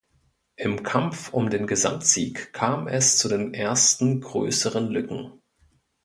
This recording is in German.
Im Kampf um den Gesamtsieg kam es zu den ersten größeren Lücken.